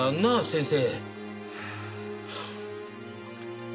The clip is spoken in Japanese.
先生。